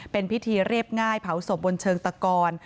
เป็นพิธีเรียบง่ายเผาศพบนเชิงตะกอน